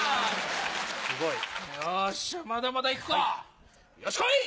すごい。よしまだまだ行くかよし来い！